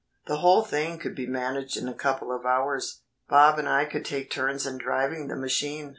The whole thing could be managed in a couple of hours. Bob and I could take turns in driving the machine.